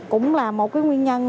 cũng là một nguyên nhân